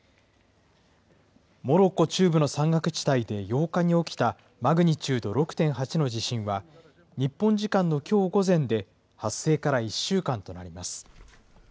モロッコ中部の山岳地帯で８日に起きたマグニチュード６．８の地震は、日本時間のきょう午前で、発生から１週間となります。